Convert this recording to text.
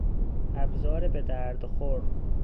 ابزار به درد خور